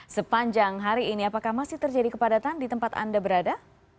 sepanjang hari ini apakah masih terjadi kepadatan di tempat anda berada